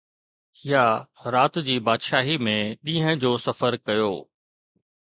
يا رات جي بادشاهي ۾ ڏينهن جو سفر ڪيو؟